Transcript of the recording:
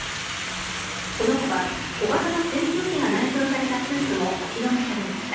このほか小型の扇風機が内蔵されたスーツもお披露目されました。